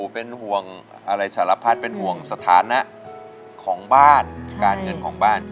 เป็นห่วงอะไรสารพัดเป็นห่วงสถานะของบ้านการเงินของบ้าน